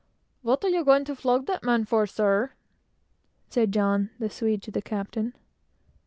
"What are you going to flog that man for, sir?" said John, the Swede, to the captain.